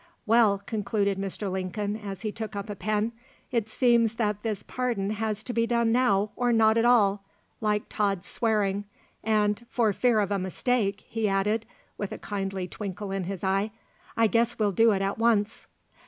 Well," concluded Mr. Lincoln, as he took up a pen, "it seems that this pardon has to be done now, or not at all, like Todd's swearing; and, for fear of a mistake," he added, with a kindly twinkle in his eye, "I guess we'll do it at once."